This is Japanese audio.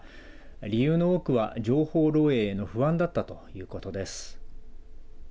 理由の多くは情報漏えいへの不安だったということです。